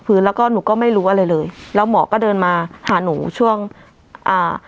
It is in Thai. พื้นแล้วก็หนูก็ไม่รู้อะไรเลยแล้วหมอก็เดินมาหาหนูช่วงอ่า